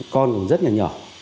con cũng rất là nhỏ